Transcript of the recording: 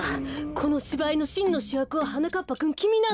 このしばいのしんのしゅやくははなかっぱくんきみなんです。